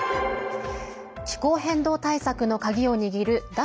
気候変動対策の鍵を握る脱